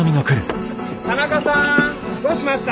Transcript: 田中さんどうしました？